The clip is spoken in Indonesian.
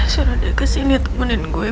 suruh dia kesini temenin gue